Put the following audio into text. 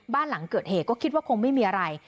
บ้านหลังเกิดเหตุก็คิดว่าคงไม่มีอะไร